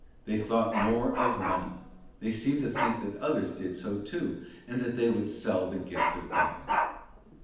They thought more of money; they seemed to think that others did so too, and that they would sell the gift of God.